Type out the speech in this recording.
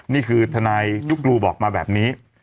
นี่คือทนายจุ๊กรูบอกมาแบบนี้